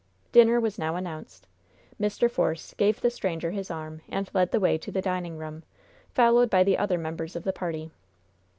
Dinner was now announced. Mr. Force gave the stranger his arm, and led the way to the dining room, followed by the other members of the party.